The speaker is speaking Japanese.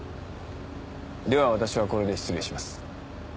では私はこれで失礼します。